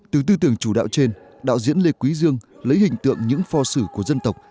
từ tư tưởng chủ đạo trên đạo diễn lê quý dương lấy hình tượng những pho sử của dân tộc